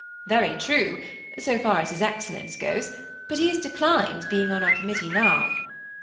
" Very true, so far as his excellence goes ; but he has declined being on our committee now."